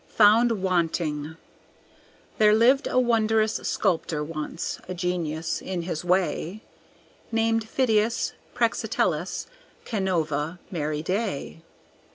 Found Wanting There lived a wondrous sculptor once, a genius in his way, Named Phidias Praxiteles Canova Merryday.